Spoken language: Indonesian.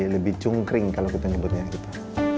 lebih cungkring kalau kita nyebutnya itu